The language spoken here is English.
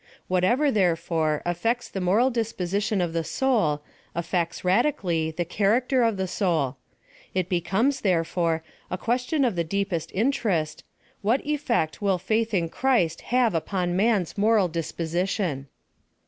Whatever, therefore, affects the moral dis position, of the soul, affects radically, the character of the soul. It becomes, therefore, a question of the deepest interest — What effect will faith in Christ have upon man's moral disposition